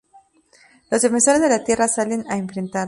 Los defensores de la Tierra salen a enfrentarlos.